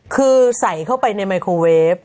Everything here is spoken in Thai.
คือใส่เข้าไปในไมโครเวฟ